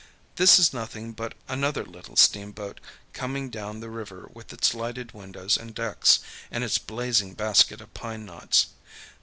This is nothing but another little steamboat coming down the river with its lighted windows and decks, and its blazing basket of pine knots.